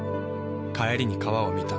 帰りに川を見た。